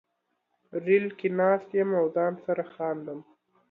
ریل کې ناست یم او ځان سره خاندم